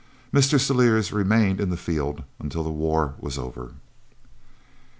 Mr. Celliers remained in the field until the war was over.